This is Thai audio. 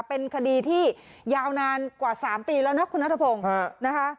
เป็นคดีที่ยาวนานกว่า๓ปีแล้วนะคุณนัทพงศ์นะคะ